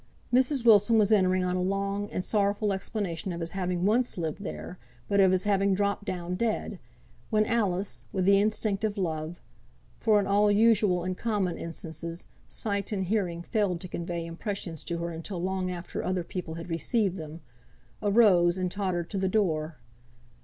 Mrs. Wilson was entering on a long and sorrowful explanation of his having once lived there, but of his having dropped down dead; when Alice, with the instinct of love (for in all usual and common instances, sight and hearing failed to convey impressions to her until long after other people had received them), arose, and tottered to the door.